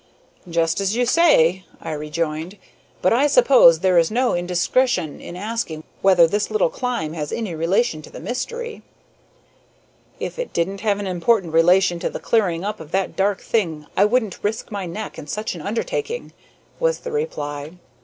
"Just as you say," I rejoined. "But I suppose there is no indiscretion in asking whether this little climb has any relation to the mystery?" "If it didn't have an important relation to the clearing up of that dark thing I wouldn't risk my neck in such an undertaking," was the reply.